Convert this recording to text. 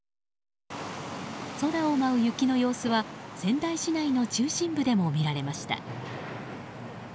空を舞う雪の様子は仙台市内の中心部でも見られました。